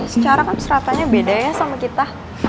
secara kan seratannya beda ya sama kita